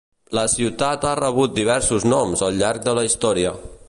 La ciutat ha rebut diversos noms al llarg de la història.